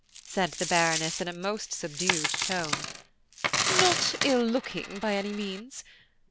said the Baroness, in a most subdued tone; "not ill looking by any means.